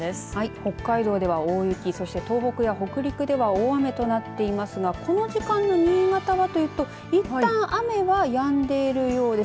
北海道では大雪、そして北陸や東北では大雨となっていますがこの時間の新潟はいったん雨はやんでいるようです。